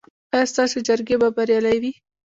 ایا ستاسو جرګې به بریالۍ وي؟